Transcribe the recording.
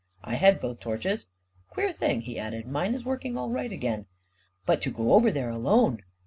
I had both torches. Queer thing," he added; " mine is working all right again." 41 But to go over there alone